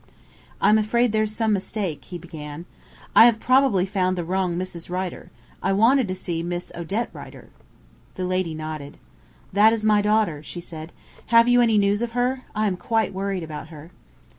"I'm afraid there's some mistake," he began. "I have probably found the wrong Mrs. Rider I wanted to see Miss Odette Rider." The lady nodded. "That is my daughter," she said. "Have you any news of her? I am quite worried about her."